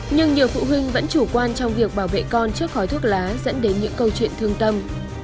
nhưng nhiều phụ huynh vẫn chủ quan trong việc bảo vệ con trước khói thuốc lá dẫn đến những câu chuyện thương tâm